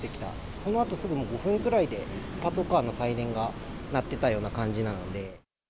そのあとすぐ５分くらいで、パトカーのサイレンが鳴ってたような感じなので。